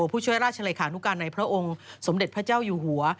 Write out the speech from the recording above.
ผู้ช่วยราชเลขานุการในพระองค์สมเด็จพระเจ้าอยู่หัว